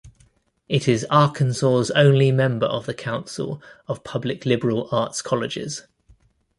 It is Arkansas's only member of the Council of Public Liberal Arts Colleges.